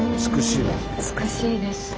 美しいです。